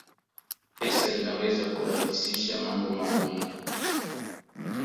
Pesa inaweza kurahisisha mambo magumu